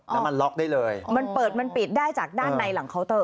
แล้วมันล็อกได้เลยมันเปิดมันปิดได้จากด้านในหลังเคาน์เตอร์